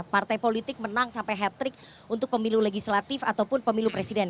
partai politik menang sampai hat trick untuk pemilu legislatif ataupun pemilu presiden